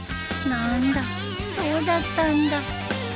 何だそうだったんだ。